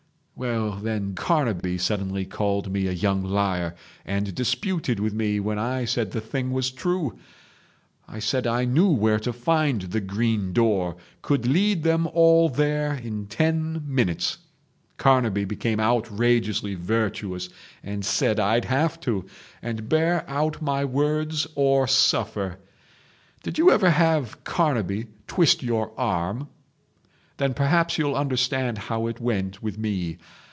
"Well, then Carnaby suddenly called me a young liar and disputed with me when I said the thing was true. I said I knew where to find the green door, could lead them all there in ten minutes. Carnaby became outrageously virtuous, and said I'd have to—and bear out my words or suffer. Did you ever have Carnaby twist your arm? Then perhaps you'll understand how it went with me.